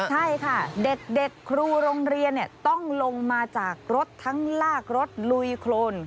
ใช่ค่ะเด็กครูโรงเรียนต้องลงมาจากรถทั้งลากรถลุยโครน